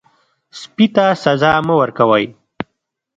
سپي ته سزا مه ورکوئ.